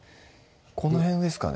この辺ですかね？